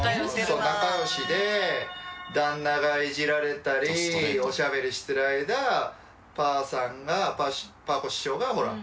そう仲良しで旦那がいじられたりおしゃべりしてる間パーさんがパー子師匠がほら笑ってるじゃない。